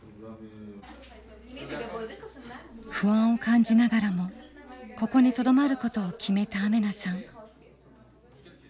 不安を感じながらもここにとどまることを決めたアメナさん。